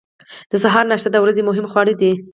د سهار ناشته د ورځې مهم خواړه دي.